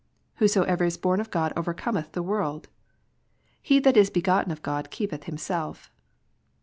"Whatsoever is born of God overcometh the world." "He that is begotten of God keepeth himself."